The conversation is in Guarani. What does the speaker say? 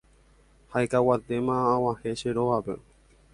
Akehag̃uántema ag̃uahẽ che rógape.